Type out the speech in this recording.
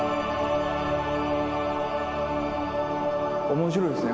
面白いですね。